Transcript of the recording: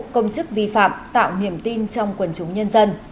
công chức vi phạm tạo niềm tin trong quần chúng nhân dân